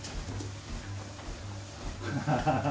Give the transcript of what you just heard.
ハハハハ！